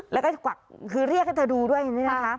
แล้วก็กวักคือเรียกให้เธอดูด้วยนี่นะคะ